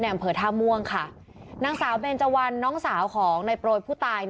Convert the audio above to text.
อำเภอท่าม่วงค่ะนางสาวเบนเจวันน้องสาวของในโปรยผู้ตาย